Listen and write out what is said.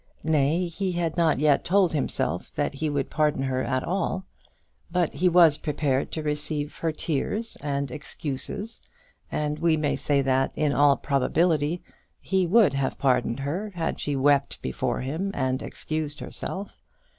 Nay, he had not yet told himself that he would pardon her at all. But he was prepared to receive her tears and excuses, and we may say that, in all probability, he would have pardoned her had she wept before him and excused herself.